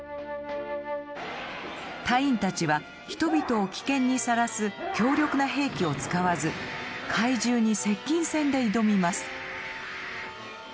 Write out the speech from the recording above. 隊員たちは人々を危険にさらす強力な兵器を使わず怪獣に接近戦で挑みます。